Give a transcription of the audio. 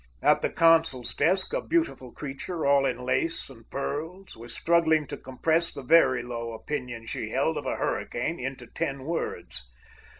At the consul's desk a beautiful creature, all in lace and pearls, was struggling to compress the very low opinion she held of a hurricane into ten words.